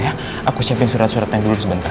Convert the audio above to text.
aku siapin surat suratnya dulu sebentar